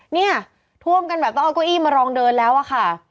เนี่ยท่วมกันแบบต้องเอาเก้าอี้มารองเดินแล้วอะค่ะ